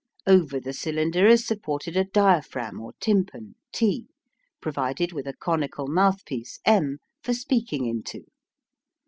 Over the cylinder is supported a diaphragm or tympan T, provided with a conical mouthpiece M for speaking into.